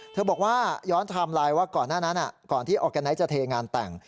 เธอบอกว่าย้อนไทม์ไลน์ว่าก่อนหน้านั้นอ่ะก่อนที่จะเทงานแต่ง